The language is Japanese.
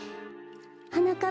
はなかっ